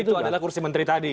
itu adalah kursi menteri tadi